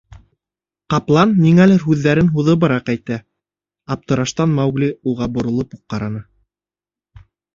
Ҡаплан ниңәлер һүҙҙәрен һуҙыбыраҡ әйтә, аптыраштан Маугли уға боролоп уҡ ҡараны.